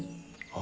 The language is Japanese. あ。